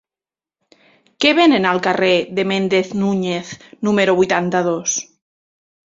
Què venen al carrer de Méndez Núñez número vuitanta-dos?